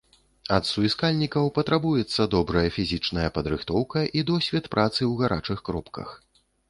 Ад суіскальнікаў патрабуецца добрая фізічная падрыхтоўка і досвед працы ў гарачых кропках.